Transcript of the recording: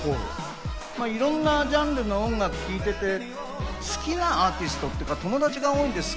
いろんなジャンルの音楽を聴いていて、好きなアーティストっていうか友達が多いんです。